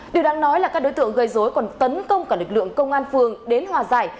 điều đáng nói là các đối tượng gây dối còn tấn công cả lực lượng công an phường đến hòa giải